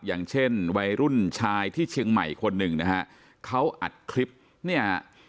อย่างเช่นวัยรุ่นชายที่เชียงใหม่คนหนึ่งนะฮะเขาอัดคลิปเนี่ย